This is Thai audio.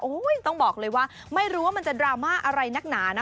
โอ้โหต้องบอกเลยว่าไม่รู้ว่ามันจะดราม่าอะไรนักหนานะ